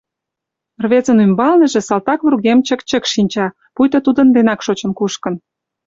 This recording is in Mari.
Рвезын ӱмбалныже салтак вургем чык-чык шинча, пуйто тудын денак шочын-кушкын.